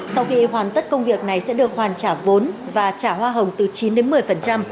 sau khi hoàn tất công việc này sẽ được hoàn trả vốn và trả hoa hồng từ chín đến một mươi